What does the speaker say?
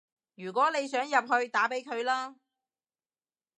如果你想入去，打畀佢啦